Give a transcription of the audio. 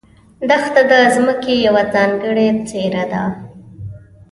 دښته د ځمکې یوه ځانګړې څېره ده.